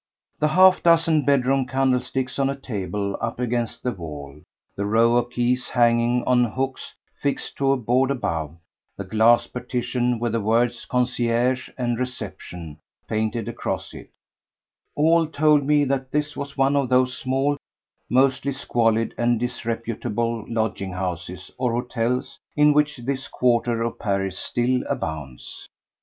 The half dozen bedroom candlesticks on a table up against the wall, the row of keys hanging on hooks fixed to a board above, the glass partition with the words "Concierge" and "Réception" painted across it, all told me that this was one of those small, mostly squalid and disreputable lodging houses or hotels in which this quarter of Paris still abounds.